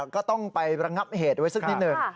ก็ต้องไประงับเหตุไว้สักนิดหนึ่ง